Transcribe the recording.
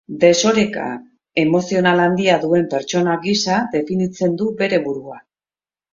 Desoreka emozional handia duen pertsona gisa definitzen du bere burua.